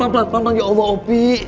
tinggal pelan pelan ya allah opi